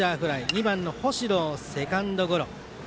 ２番、星野、セカンドゴロ。